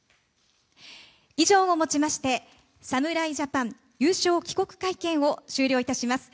以上を持ちまして侍ジャパン優勝帰国会見を終了いたします。